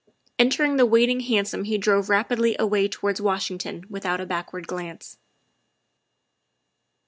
Entering the waiting hansom he drove rapidly away towards Washington without a backward glance.